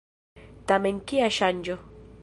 Tamen kia ŝanĝo!